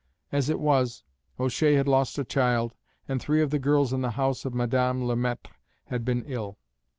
As it was, O'Shea had lost a child, and three of the girls in the house of Madame Le Maître had been ill.